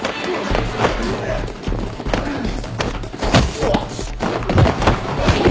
うわ。あっ。